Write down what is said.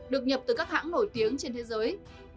được nhập từ các hãng nổi tiếng trên thế giới